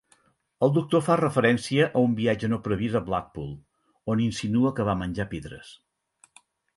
El doctor fa referència a un viatge no previst a Blackpool on insinua que va menjar pedres.